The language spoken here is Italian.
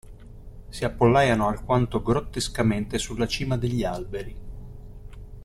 Si appollaiano alquanto grottescamente sulla cima degli alberi.